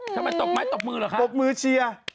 ทำไมตกไม้ตกมือหรือคะตกมือเชีย